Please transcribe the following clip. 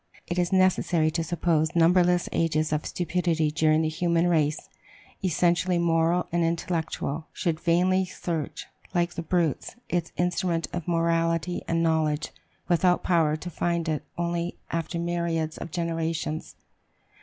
It is necessary to suppose numberless ages of stupidity during which the human race, essentially moral and intellectual, should vainly search, like the brutes, its instrument of morality and knowledge, without power to find it only after myriads of generations.